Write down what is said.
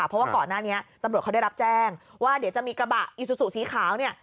เพราะว่าก่อนหน้านี้ตำรวจเขาได้รับแจ้งว่าเดี๋ยวจะมีกระบะอิซูซูสีขาวเนี่ย